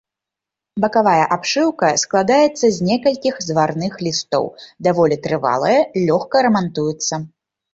Бакавая абшыўка складаецца з некалькіх зварных лістоў, даволі трывалая, лёгка рамантуецца.